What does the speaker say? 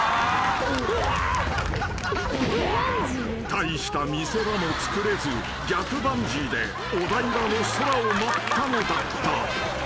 ［大した見せ場もつくれず逆バンジーでお台場の空を舞ったのだった］